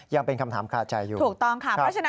ยังเป็นคำถามขาดใจอยู่ใช่ใช่ใช่ใช่ถูกต้องค่ะ